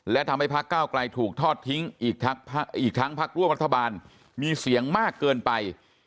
และทำให้พักเก้าไกลถูกทอดทิ้งอีกทั้งพักร่วมรัฐบาลมีเสียงมากเกินไป